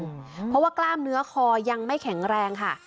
เพราะว่ากล้ามเนื้อคอยังไม่แข็งแรงค่ะ